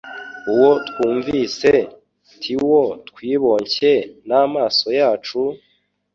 uwo twumvise, tiwo twiboncye n'amaso yacu,